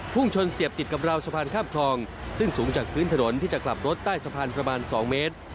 ชนเสียบติดกับราวสะพานข้ามคลองซึ่งสูงจากพื้นถนนที่จะกลับรถใต้สะพานประมาณ๒เมตร